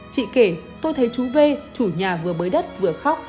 chị kể tôi thấy chú v chủ nhà vừa bới đất vừa khóc